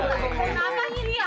kenapa ini riang